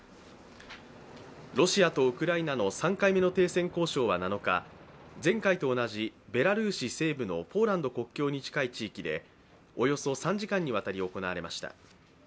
ロシアとウクライナの３回目の停戦交渉は７日、前回と同じベラルーシ西部のポーランド国境に近い地域でおよそ３時間にわたり行われました